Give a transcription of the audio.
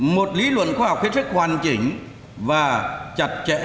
một lý luận khoa học hết sức hoàn chỉnh và chặt chẽ